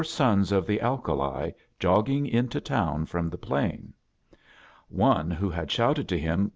'sons of the alkali jogging into town from ;■\ the plain. One wlw hftci shouted to him